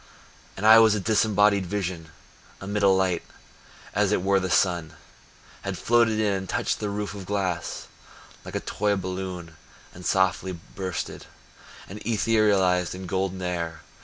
And I was disembodied vision Amid a light, as it were the sun Had floated in and touched the roof of glass Like a toy balloon and softly bursted, And etherealized in golden air.